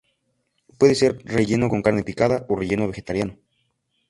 Puede ser relleno con carne picada o relleno vegetariano.